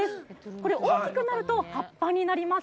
これ、大きくなると、葉っぱになります。